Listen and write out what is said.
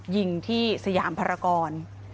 ยิงที่สยามพระรากร